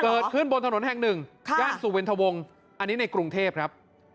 เกิดขึ้นบนถนนแห่งหนึ่งย่านสุวินทวงอันนี้ในกรุงเทพครับ